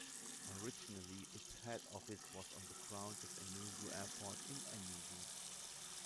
Originally its head office was on the grounds of Enugu Airport in Enugu.